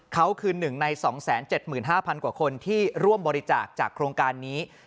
เขาคือ๑ใน๒๗๕๐๐กว่าคนที่ร่วมบริจาคจากโครงการนี้